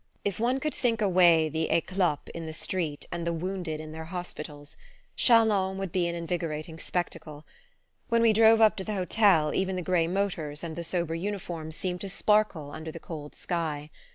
If one could think away the "'eclopes" in the streets and the wounded in their hospitals, Chalons would be an invigorating spectacle. When we drove up to the hotel even the grey motors and the sober uniforms seemed to sparkle under the cold sky.